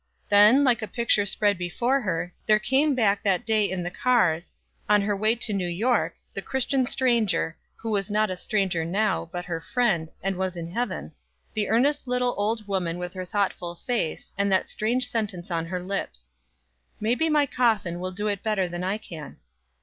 Then, like a picture spread before her, there came back that day in the cars, on her way to New York, the Christian stranger, who was not a stranger now, but her friend, and was it heaven the earnest little old woman with her thoughtful face, and that strange sentence on her lips: "Maybe my coffin will do it better than I can."